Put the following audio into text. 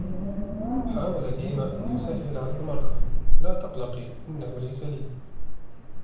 حاول ديما أن يسهل على المرأة: " لا تقلقي ، إنه ليس لي ".